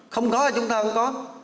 không có thì chúng ta không có